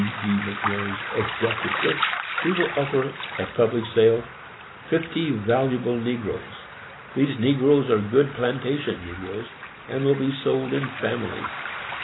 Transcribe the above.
B. McNairy, Executrix, we will offer at Public Sale FIFTY VALUABLE NEGROES. These Negroes are good Plantation Negroes, and will be sold in families.